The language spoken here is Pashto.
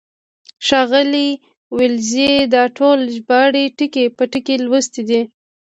ښاغلي ولیزي دا ټولې ژباړې ټکی په ټکی لوستې دي.